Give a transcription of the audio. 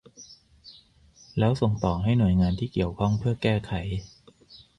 แล้วส่งต่อให้หน่วยงานที่เกี่ยวข้องเพื่อแก้ไข